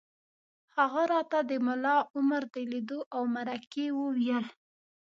هغه راته د ملا عمر د لیدو او مرکې وویل